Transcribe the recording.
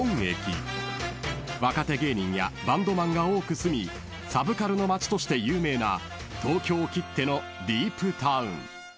［若手芸人やバンドマンが多く住みサブカルの街として有名な東京きってのディープタウン］